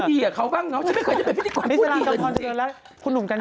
ทำอยากจริงพลัน